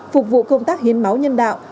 phục vụ công tác hiên máu nhân đạo